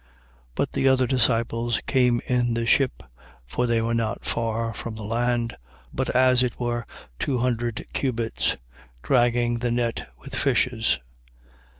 21:8. But the other disciples came in the ship (for they were not far from the land, but as it were two hundred cubits) dragging the net with fishes.